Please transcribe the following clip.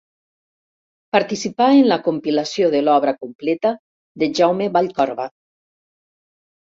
Participà en la compilació de l'obra completa de Jaume Vallcorba.